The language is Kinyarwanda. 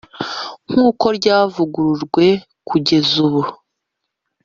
nk’uko ryavugururwe kugeza ubu